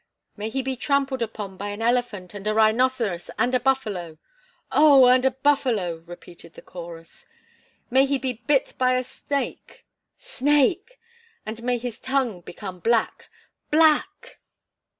"May he be trampled upon by an elephant and a rhinoceros and a buffalo!" "Oh and a buffalo!" repeated the chorus. "May he be bit by a snake!" "Snake!" "And may his tongue become black!" "Black!"